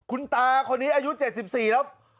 คุณตาคนนี้อายุ๗๔แล้ว